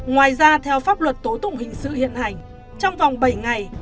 ngoài ra theo pháp luật tố tụng hình sự hiện hành trong vòng bảy ngày